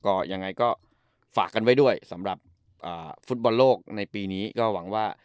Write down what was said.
ก็ยังไงก็ฝากกันไว้ด้วยสำหรับฟุตบอลโลกในปีนี้ก็หวังว่า